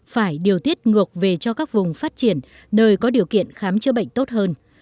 phải điều tiết ngược về cho các vùng phát triển nơi có điều kiện khám chữa bệnh tốt hơn